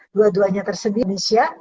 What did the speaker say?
dua duanya tersedia di indonesia